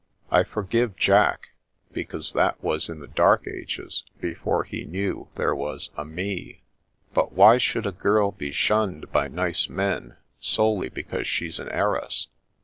I for give Jack, because that was in the dark ages, before he knew there was a Me. But why should a girl be shunned by nice men solely because she's an heir ess?